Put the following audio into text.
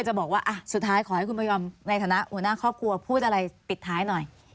จะบอกว่าสุดท้ายขอให้คุณพยอมในฐานะหัวหน้าครอบครัวพูดอะไรปิดท้ายหน่อย